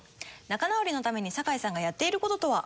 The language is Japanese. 仲直りのために坂井さんがやっている事とは？